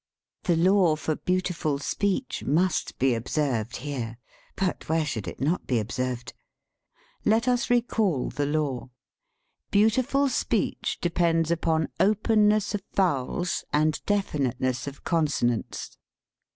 The law for beautiful speech must be ob served here. (But where should it not be observed?) Let us recall the law: "Beau tiful speech depends upon openness of vowels and definiteness of consonants."